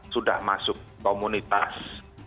sudah masuk komunitas